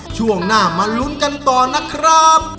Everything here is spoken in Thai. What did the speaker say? ช่วงหน้ามาลุ้นกันต่อนะครับ